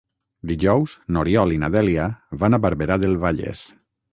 Dijous n'Oriol i na Dèlia van a Barberà del Vallès.